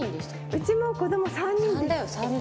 うちも子ども３人です。